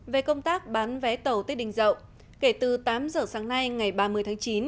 về công tác bán vé tàu tết đình dậu kể từ tám giờ sáng nay ngày ba mươi tháng chín